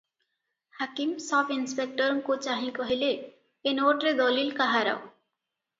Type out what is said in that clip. ହାକିମ ସବ୍ଇନିସ୍ପେକ୍ଟରଙ୍କୁ ଚାହିଁ କହିଲେ- "ଏ ନୋଟରେ ଦଲିଲ କାହାର?"